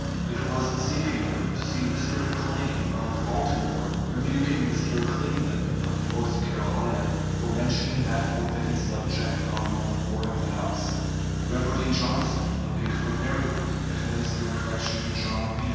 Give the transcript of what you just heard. It was singular to see Mr. McLane, of Baltimore, rebuking Mr. Clingman, of North Carolina, for mentioning that forbidden subject on the floor of the House; Reverdy Johnson, a Whig from Maryland, administering correction to John P.